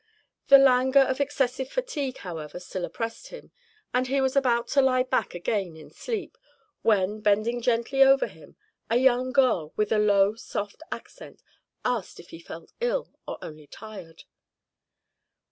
The languor of excessive fatigue, however, still oppressed him, and he was about to lie back again in sleep, when, bending gently over him, a young girl, with a low, soft accent, asked if he felt ill, or only tired.